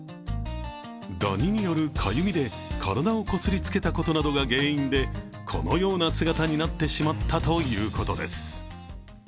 ダニによるかゆみで体をこすりつけたことなどが原因でこのような姿になってしまったということです。